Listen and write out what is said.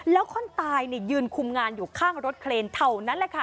แล้วคนตายยืนคุมงานอยู่ข้างรถเครนเท่านั้นแหละค่ะ